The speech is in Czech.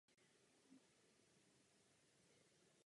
Dříve sídlila v Klubu Zubří.